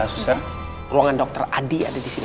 suster ruangan dr adi ada di sini